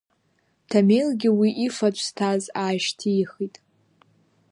Ҭамелгьы уи ифатә зҭаз аашьҭихит.